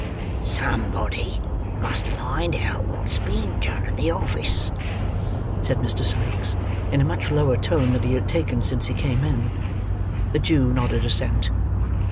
"Somebody must find out wot's been done at the office," said Mr. Sikes in a much lower tone than he had taken since he came in. The Jew nodded assent.